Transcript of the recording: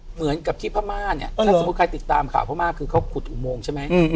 เหมือนกับที่พม่าเนี่ยถ้าสมมุติใครติดตามข่าวพม่าคือเขาขุดอุโมงใช่ไหม